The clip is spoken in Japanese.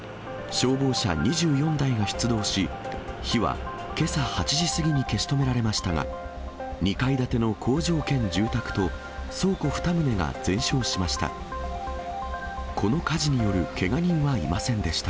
消防車２４台が出動し、火はけさ８時過ぎに消し止められましたが、２階建ての工場兼住宅と倉庫２棟が全焼しました。